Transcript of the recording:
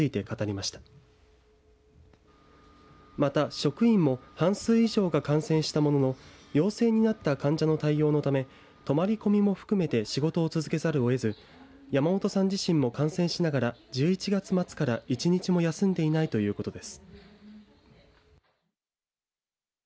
また職員も半数以上が感染したものの陽性になった患者の対応のため泊まり込みも含めて仕事を続けざるを得ず山本さん自身も感染しながら１１月末から１日も休んでいないということです。